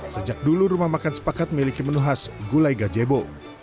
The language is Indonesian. sejak dulu rumah makan sepakat memiliki menu khas gulai gajebo